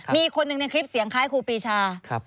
มีคนหนึ่งในคลิปเสียงคล้ายครูปีชา